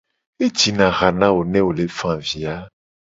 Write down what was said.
Ejina ha na wo ne wo le fa avi a.